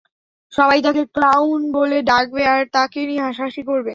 সবাই তাকে ক্লাউন বলে ডাকবে আর তাকে নিয়ে হাসাহাসি করবে।